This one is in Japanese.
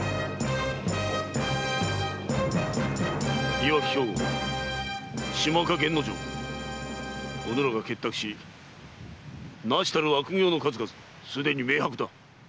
岩城兵庫島岡源之丞うぬらが結託しなしたる悪行の数々はすでに明白だ。